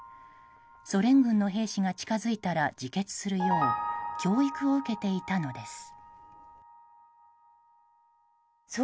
ソ連軍の兵士が近づいたら自決するよう教育を受けていたのです。